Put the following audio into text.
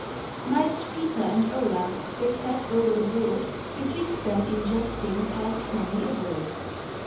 Knights Peter and Olaf they sat oŌĆÖer the board, Betwixt them in jesting passed many a word.